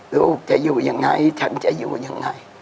ลูกจะอยู่อย่างไรฉันจะอยู่อย่างไร